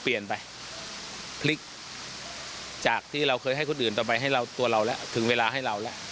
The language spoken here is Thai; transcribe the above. เปลี่ยนไปพลิกจากที่เราเคยให้คนอื่นต่อไปให้เราตัวเราแล้วถึงเวลาให้เราแล้ว